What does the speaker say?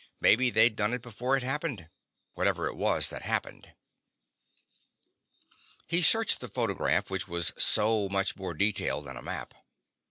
Maybe they'd done it before it happened ... whatever it was that happened." He searched the photograph which was so much more detailed than a map.